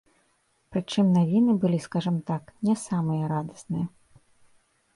Прычым навіны былі, скажам так, не самыя радасныя.